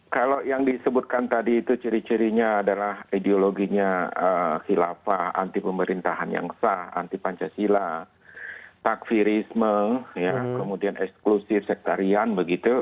kalau yang disebutkan tadi itu ciri cirinya adalah ideologinya khilafah anti pemerintahan yang sah anti pancasila takfirisme kemudian eksklusif sektarian begitu